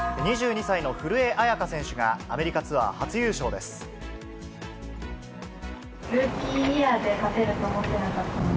２２歳の古江彩佳選手が、アメリカツアー初優勝です。